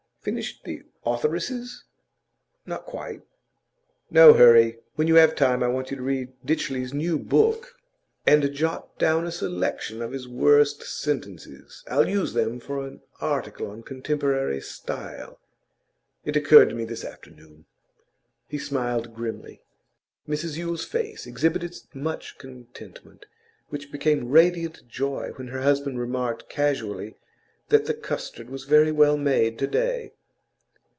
'Finished the authoresses?' 'Not quite.' 'No hurry. When you have time I want you to read Ditchley's new book, and jot down a selection of his worst sentences. I'll use them for an article on contemporary style; it occurred to me this afternoon.' He smiled grimly. Mrs Yule's face exhibited much contentment, which became radiant joy when her husband remarked casually that the custard was very well made to day.